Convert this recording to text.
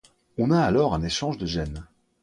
On a alors un échange de gènes.